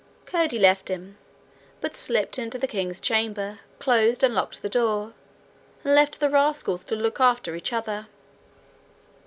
Curdie left him, but slipped into the King's chamber, closed and locked the door, and left the rascals to look after each other.